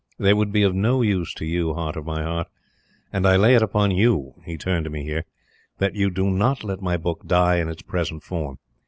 They would be of no use to you, Heart of my heart; and I lay it upon you," he turned to me here, "that you do not let my book die in its present form.